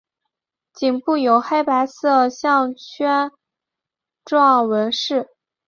颈部有黑白色的项圈状纹饰。